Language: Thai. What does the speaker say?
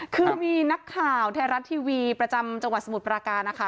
คือมีนักข่าวไทยรัฐทีวีประจำจังหวัดสมุทรปราการนะคะ